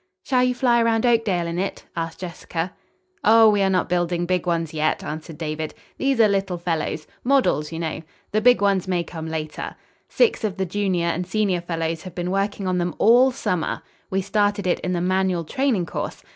"Shall you fly around Oakdale in it?" asked Jessica. "Oh, we are not building big ones yet," answered David. "These are little fellows. Models, you know. The big ones may come later. Six of the junior and senior fellows have been working on them all summer. We started it in the manual training course.